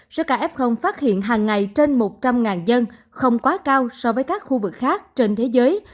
số caf phát hiện hàng ngày trên một trăm linh dân không quá cao so với các khu vực khác trên thế giới